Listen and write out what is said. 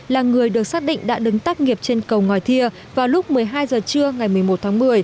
là người được xác định đã đứng tác nghiệp trên cầu ngòi thia vào lúc một mươi hai h trưa ngày một mươi một tháng một mươi